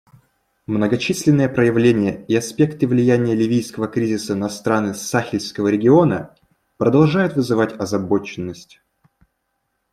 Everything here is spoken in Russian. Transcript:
Многочисленные проявления и аспекты влияния ливийского кризиса на страны Сахельского региона продолжают вызывать озабоченность.